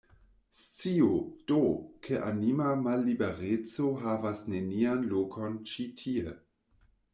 Sciu, do, ke anima mallibereco havas nenian lokon ĉi tie.